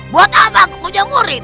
buat apa aku punya murid